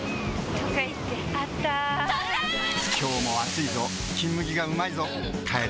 今日も暑いぞ「金麦」がうまいぞ帰れば「金麦」